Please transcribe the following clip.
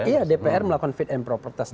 iya dpr melakukan fit and proper test